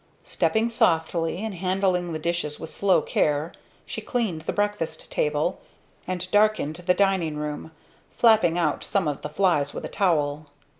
Stepping softly, and handling the dishes with slow care, she cleaned the breakfast table and darkened the dining room, flapping out some of the flies with a towel.